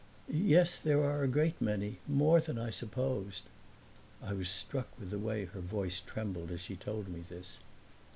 "Yes, there are a great many; more than I supposed." I was struck with the way her voice trembled as she told me this.